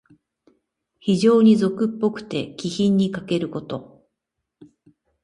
非情に俗っぽくて、気品にかけること。